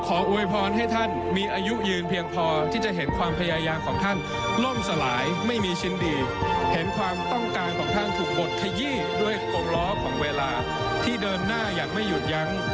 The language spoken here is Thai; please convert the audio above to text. ของเวลาที่เดินหน้าอย่างไม่หยุดยั้ง